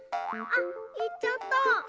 あっいっちゃった。